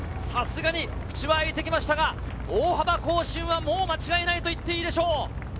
さすがに口はあいてきましたが、大幅更新はもう間違いないと言っていいでしょう。